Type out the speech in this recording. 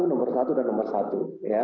nomor satu dan nomor satu